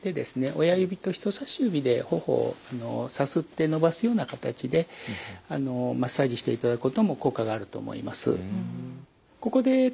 親指と人差し指で頬をさすって伸ばすような形でマッサージしていただくことも効果があると思います。